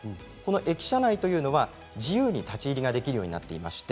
駅舎内は自由に立ち入りができるようになっています。